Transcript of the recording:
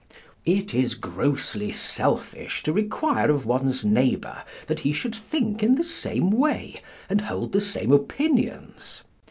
It is grossly selfish to require of ones neighbour that he should think in the same way, and hold the same opinions.